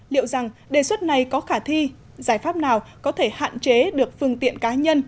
liệu rằng đề xuất này có khả thi giải pháp nào có thể hạn chế được phương tiện cá nhân